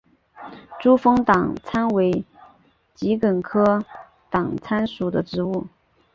珠峰党参为桔梗科党参属的植物。